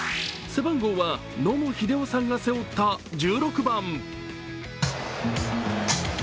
背番号は野茂英雄さんが背負った１６番。